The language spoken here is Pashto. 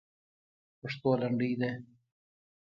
پښتو لنډۍ ده.